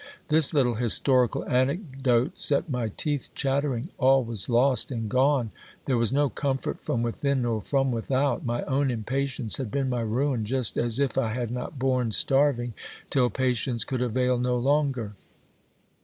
This little historical anecdote set my teeth chattering. All was lost and gone ! There was no comfort from within nor from without ! My own impatience had been my ruin ! just as if I had not borne starving, till patience could avail no longer.